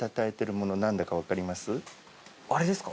あれですか？